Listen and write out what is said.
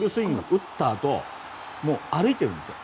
打ったあと、歩いてるんですよ。